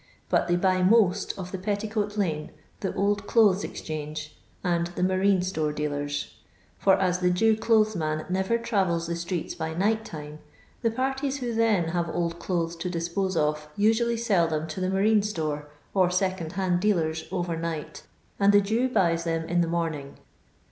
But they buy most of the Petticoat lane, the Old Clothes Ex change, and the marine store dealers; for as the Jew clothes man nerer travels the streets by night time, the parties who then have old clothes to dispose of nsoally sell them to the marine store or second hand dealers over night, and the Jew buys them in the morning.